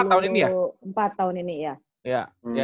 dua puluh empat tahun ini ya